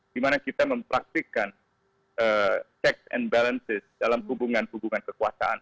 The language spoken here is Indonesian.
di mana kita mempraktikkan sex and balances dalam hubungan hubungan kekuasaan